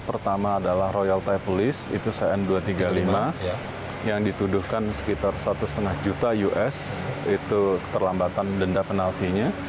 pertama adalah royal typolist itu cn dua ratus tiga puluh lima yang dituduhkan sekitar satu lima juta us itu keterlambatan denda penaltinya